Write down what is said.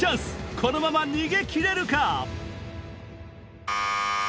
このまま逃げ切れるか？